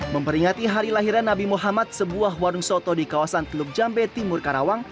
memperingati hari lahirnya nabi muhammad sebuah warung soto di kawasan teluk jambe timur karawang